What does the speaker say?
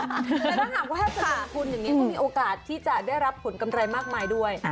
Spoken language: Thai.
แต่ถ้าหากว่าถ้าจะลงทุนอย่างนี้ก็มีโอกาสที่จะได้รับผลกำไรมากมายด้วย